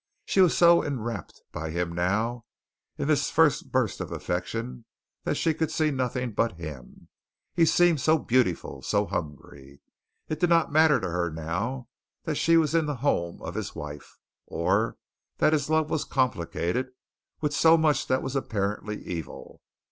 She was so enrapt by him now in this first burst of affection that she could see nothing but him. He seemed so beautiful, so hungry! It did not matter to her now that she was in the home of his wife or that his love was complicated with so much that was apparently evil.